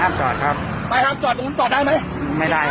สุดท้ายสุดท้ายสุดท้ายสุดท้าย